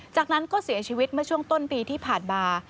จากนั้นก็เสียชีวิตเมื่อช่วงต้นปีที่ผ่านมา